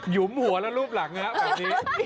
หยุมหัวแล้วรูปหลังนะครับ